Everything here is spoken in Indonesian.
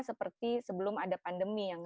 seperti sebelum ada pandemi yang